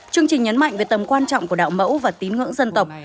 chương trình nhấn mạnh về tầm quan trọng của đạo mẫu và tín ngưỡng dân tộc